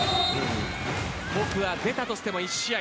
僕は出たとしても１試合。